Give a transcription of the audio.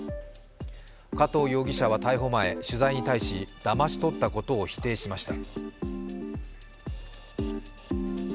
加藤容疑者は逮捕前、取材に対しだまし取ったことを否定しました。